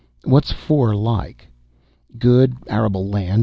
"What's IV like?" "Good, arable land.